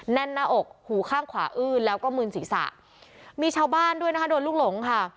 แน่นหน้าอกหูข้างขวาอื้นแล้วก็มืนศีรษะมีชาวบ้านด้วยนะคะโดนลูกหลงค่ะ